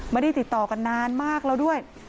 ไม่ได้ติดต่อกันนานมากแล้วด้วย